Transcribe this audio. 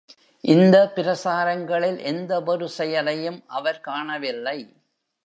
இந்த பிரச்சாரங்களில் எந்தவொரு செயலையும் அவர் காணவில்லை.